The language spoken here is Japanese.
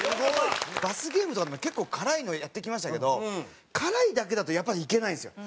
罰ゲームとかでも結構辛いのやってきましたけど辛いだけだとやっぱりいけないんですよ。